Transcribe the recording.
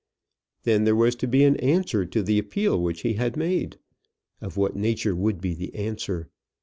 Then there was to be an answer to the appeal which he had made. Of what nature would be the answer?